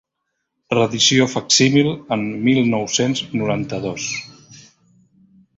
Reedició facsímil en mil nou-cents noranta-dos.